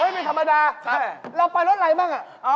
เฮ่ยเป็นธรรมดาเราไปรถอะไรบ้างอ่ะ